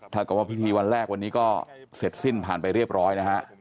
ถ้ากับว่าพิธีวันแรกวันนี้ก็เสร็จสิ้นผ่านไปเรียบร้อยนะฮะ